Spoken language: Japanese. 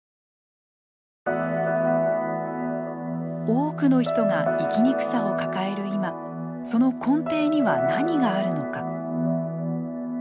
多くの人が生きにくさを抱える今その根底には、何があるのか。